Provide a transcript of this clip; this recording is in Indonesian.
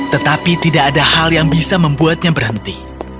tetapi tidak ada hal yang bisa membuatnya berhenti